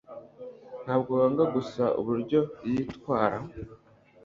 Ntabwo wanga gusa uburyo yitwara